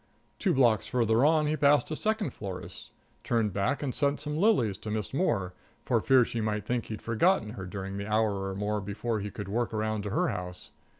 Two blocks farther on he passed a second florist's, turned back and sent some lilies to Miss Moore, for fear she might think he'd forgotten her during the hour or more before he could work around to her house.